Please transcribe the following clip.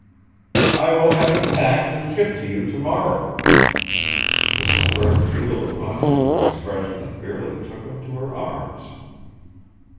"I will have it packed and shipped to you to morrow." Mrs. Burton wheeled upon him with an expression that fairly took him to her arms.